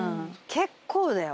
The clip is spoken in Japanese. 結構だよ。